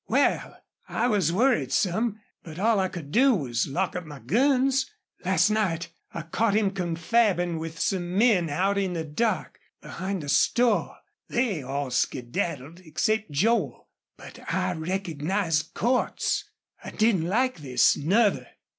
Wal, I was worried some, but all I could do was lock up my guns. Last night I caught him confabin' with some men out in the dark, behind the store. They all skedaddled except Joel, but I recognized Cordts. I didn't like this, nuther.